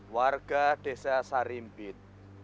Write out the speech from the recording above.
warga desa sarimpit